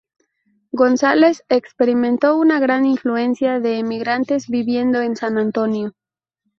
González experimentó una gran influencia de inmigrantes viviendo en San Antonio.